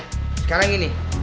yaudah sekarang gini